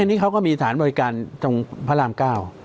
อันนี้เขาก็มีสถานบริการตรงพระรามเก้า